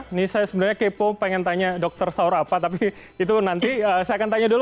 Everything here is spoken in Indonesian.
ini saya sebenarnya kepo pengen tanya dokter sahur apa tapi itu nanti saya akan tanya dulu